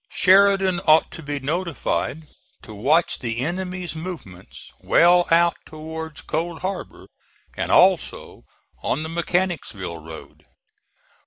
Sheridan ought to be notified to watch the enemy's movements well out towards Cold Harbor, and also on the Mechanicsville road.